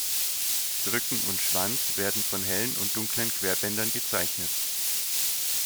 Rücken und Schwanz werden von hellen und dunklen Querbändern gezeichnet.